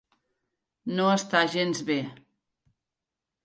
No està gens bé.